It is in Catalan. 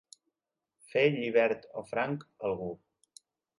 Fer llibert o franc algú.